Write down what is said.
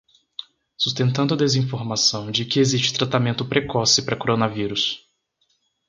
Sustentando a desinformação de que existe tratamento precoce para coronavírus